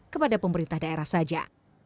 kepada pemerintah daerah saja